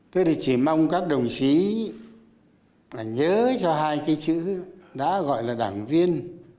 thế thì chỉ mong các đồng chí là nhớ cho hai cái chữ đã gọi là đảng viên